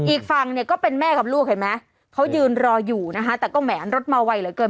อีกฝั่งเนี่ยก็เป็นแม่กับลูกเห็นไหมเขายืนรออยู่นะคะแต่ก็แหมรถมาไวเหลือเกิน